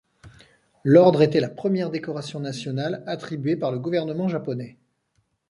L'ordre était la première décoration nationale attribuée par le gouvernement japonais.